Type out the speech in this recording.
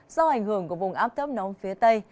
do ảnh hưởng của vùng áp thấp nóng phía tây